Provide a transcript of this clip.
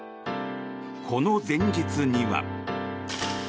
この前日には。